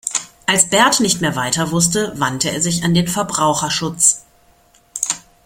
Als Bert nicht mehr weiter wusste, wandte er sich an den Verbraucherschutz.